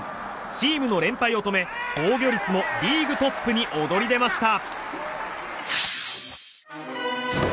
チームの連敗を止め、防御率もリーグトップに躍り出ました。